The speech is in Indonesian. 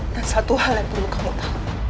dan satu hal yang perlu kamu tahu